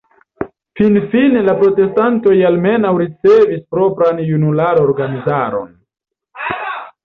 Finfine la protestantoj almenaŭ ricevis propran junularorganizaron.